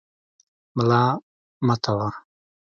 ملامتاوه.